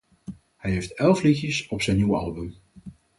Hij heeft elf liedjes op zijn nieuwe album.